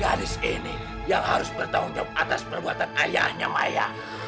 gadis ini yang harus bertanggung jawab atas perbuatan ayahnya maya